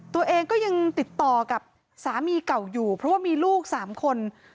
ตัวเองก็ยังติดต่อกับสามีเก่าอยู่เพราะว่ามีลูก๓คน